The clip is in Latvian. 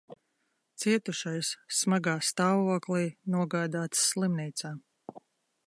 Cietušais smagā stāvoklī nogādāts slimnīcā.